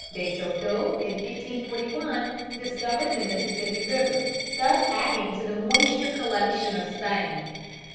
De Soto in 1541 discovered the Mississippi River, thus adding to the moisture collection of Spain.